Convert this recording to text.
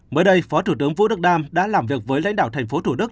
mới đây phó thủ tướng vũ đức đam đã làm việc với lãnh đạo thành phố thủ đức